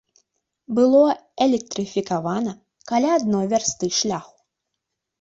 Было электрыфікавана каля адной вярсты шляху.